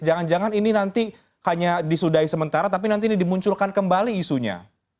jangan jangan ini nanti hanya disudai sementara tapi nanti ini dimunculkan kembali isunya